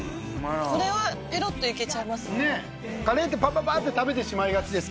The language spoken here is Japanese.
これはペロッといけちゃいますね。